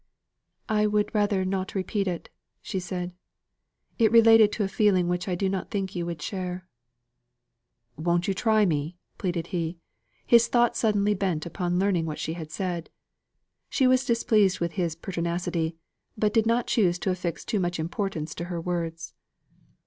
"I would rather not repeat it," said she; "it related to a feeling which I do not think you would share." "Won't you try me?" pleaded he; his thoughts suddenly bent upon learning what she had said. She was displeased with his pertinacity, but did not choose to affix too much importance to her words.